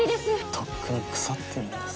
とっくに腐ってるんですてめえ